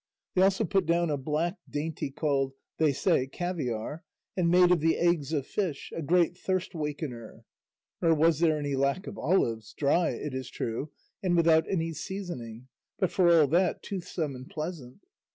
They also put down a black dainty called, they say, caviar, and made of the eggs of fish, a great thirst wakener. Nor was there any lack of olives, dry, it is true, and without any seasoning, but for all that toothsome and pleasant.